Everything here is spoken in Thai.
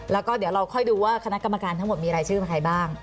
แล้วก็เดี๋ยวเราค่อยดูว่าคณะกรรมการทั้งหมดมีรายชื่อใครบ้าง